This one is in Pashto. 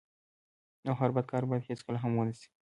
او هر بد کار بايد هيڅکله هم و نه سي.